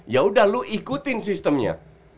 yaudah lu ikutin sistemnya